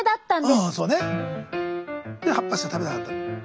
で葉っぱしか食べなかった。